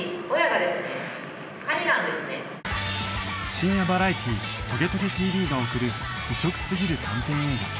深夜バラエティー『トゲトゲ ＴＶ』が送る異色すぎる短編映画